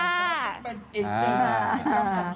สวัสดีฝีใหม่ค่ะ